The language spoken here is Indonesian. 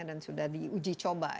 dan sudah diuji coba